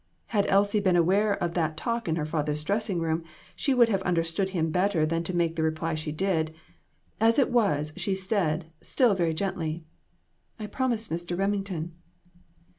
Had Elsie been aware of that talk in her father's dressing room, she would have understood him better than to make the reply she did ; as it was, she said, still very gently "I promised Mr. Remington."